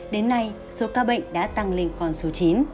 đến nay số ca bệnh đã tăng lên con số chín